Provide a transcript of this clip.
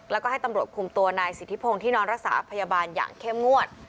แล้วก็ให้ตำรวจคุมตัวนายสิทธิพงศ์ที่นอนรักษาพยาบาลอย่างเข้มงวด